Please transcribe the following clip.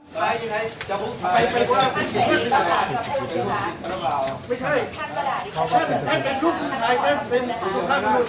แต่เรื่องไอ้ฟังถูกต้องเนี่ย